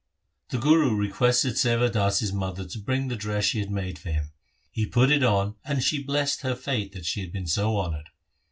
1 The Guru requested Sewa Das's mother to bring the dress she had made for him. He put it on, and she blessed her fate that she had been so honoured.